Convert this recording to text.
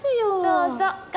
そうそう。